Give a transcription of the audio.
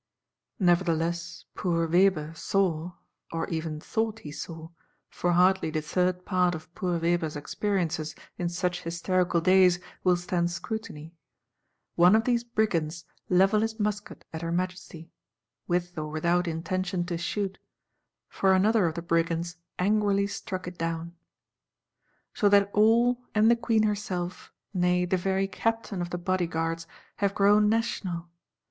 Nevertheless, poor Weber "saw" (or even thought he saw; for hardly the third part of poor Weber's experiences, in such hysterical days, will stand scrutiny) "one of these brigands level his musket at her Majesty,"—with or without intention to shoot; for another of the brigands "angrily struck it down." So that all, and the Queen herself, nay the very Captain of the Bodyguards, have grown National!